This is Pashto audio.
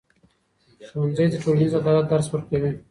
ښوونځی د ټولنیز عدالت درس ورکوي.